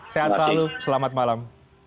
sehat selalu selamat malam